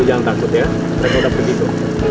ya allah kayaknya ini nih tisu tisu